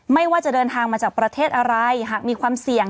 ว่าจะเดินทางมาจากประเทศอะไรหากมีความเสี่ยง